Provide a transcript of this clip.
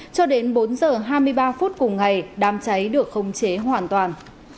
cho đến bốn h hai mươi ba phút cùng ngày đám cháy được khống chế hoàn toàn